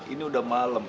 ini udah malem